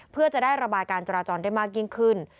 เพื่อจะได้ระบายการจราจรได้มากยิ่งขึ้น